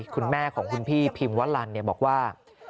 คุณแม่ของคุณพี่พิมวลันบอกว่า